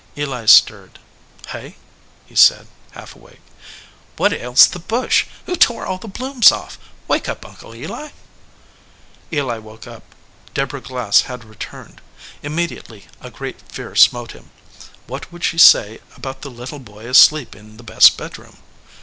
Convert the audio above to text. Eli stirred. "Hey?" he said, half awake. "What ails the bush? Who tore all the blooms off? Wake up, Uncle Eli." Eli woke up. Deborah Glass had returned. Im mediately a great fear smote him. What would she say about the little boy asleep in the best bed room?